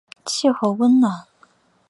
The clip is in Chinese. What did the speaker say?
气候温暖。